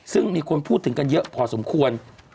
ซึ่งมีคนพูดถึงกันเยอะพอสมควร